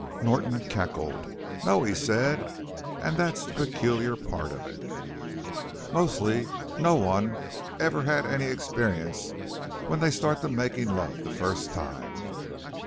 Norton cackled. "No," he said, "an' that's the peculiar part of it. Mostly no one has ever had any experience when they start to makin' love the first time.